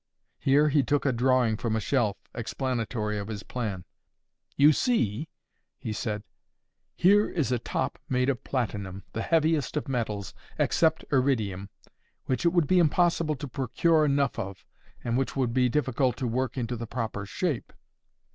Here he took a drawing from a shelf, explanatory of his plan. "You see," he said, "here is a top made of platinum, the heaviest of metals, except iridium—which it would be impossible to procure enough of, and which would be difficult to work into the proper shape.